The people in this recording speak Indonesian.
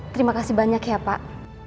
terima kasih banyak ya pak